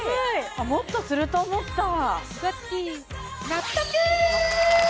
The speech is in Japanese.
もっとすると思った